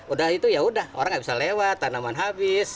udah itu ya udah orang nggak bisa lewat tanaman habis